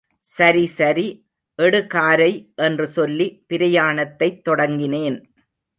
சரிசரி எடுகாரை என்று சொல்லி பிரயாணத்தைத் தொடங்கினேன்.